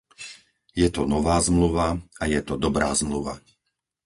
Je to nová Zmluva a je to dobrá Zmluva.